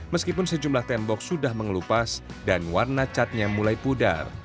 meskipun sejumlah tembok sudah mengelupas dan warna catnya mulai pudar